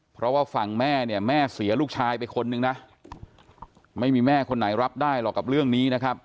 เพราะว่าฝั่งแม่เนี่ยแม่เสียลูกชายไปคนนึงนะไม่มีแม่คนไหนรับได้หรอกกับเรื่องนี้นะครับ